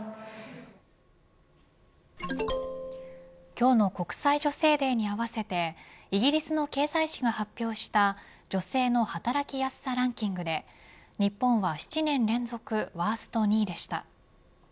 今日の国際女性デーに合わせてイギリスの経済誌が発表した女性の働きやすさランキングで日本は７年連続ワースト２位でした。